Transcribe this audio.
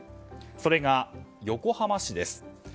それが横浜市です。